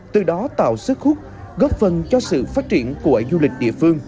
từ đó tạo sức hút góp phần cho sự phát triển của du lịch địa phương